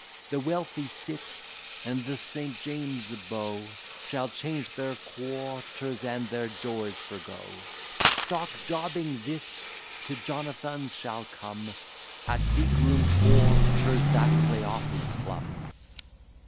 The wealthy cit, and the St. James's beau, Shall change their quarters, and their joys forego; Stock jobbing, this to Jonathan's shall come, At the Groom Porter's, that play off his plum.